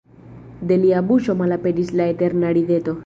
De lia buŝo malaperis la eterna rideto.